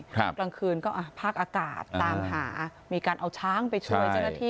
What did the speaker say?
กลางคืนก็อ่ะภาคอากาศตามหามีการเอาช้างไปช่วยเจ้าหน้าที่